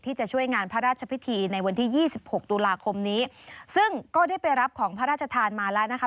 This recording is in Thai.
จะช่วยงานพระราชพิธีในวันที่ยี่สิบหกตุลาคมนี้ซึ่งก็ได้ไปรับของพระราชทานมาแล้วนะคะ